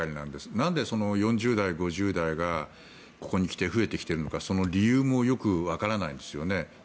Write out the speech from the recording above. なんで４０代、５０代がここに来て増えてきているのかその理由もよくわからないですよね。